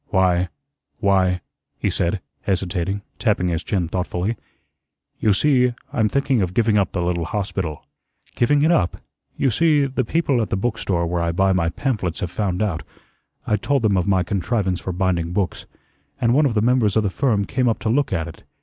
"Why why," he said, hesitating, tapping his chin thoughtfully. "You see I'm thinking of giving up the little hospital." "Giving it up?" "You see, the people at the book store where I buy my pamphlets have found out I told them of my contrivance for binding books, and one of the members of the firm came up to look at it.